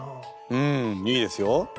うんいいですよ。